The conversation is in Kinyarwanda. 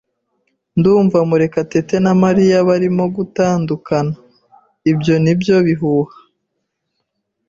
"Ndumva Murekatete na Mariya barimo gutandukana." "Ibyo ni byo bihuha."